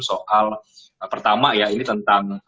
soal pertama ya ini tentang